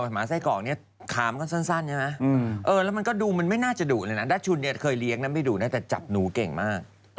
หมาไส้กรอกเนี่ยขามันก็สั้นใช่ไหมแล้วมันก็ดูมันไม่น่าจะดุเลยนะดัชชุนเนี่ยเคยเลี้ยงนะไม่ดุนะแต่จับหนูเก่งมาก